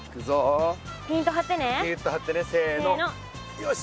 よし！